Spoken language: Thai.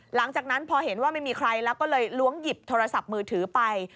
หลังจากนั้นพอเห็นว่าไม่มีใครแล้วก็เลยล้วงหยิบโทรศัพท์มือถือไป